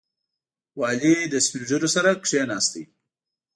والي له سپین ږیرو سره کښېناست.